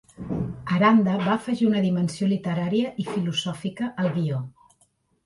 Aranda va afegir una dimensió literària i filosòfica al guió.